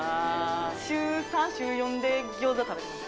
週３、週４でギョーザ食べてます。